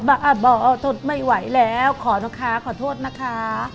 ไปอ่ะบอทดสร้องไม่ไหวแล้วขอต้นค้าขอโทษนะคะ